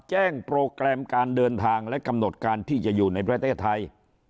โปรแกรมการเดินทางและกำหนดการที่จะอยู่ในประเทศไทย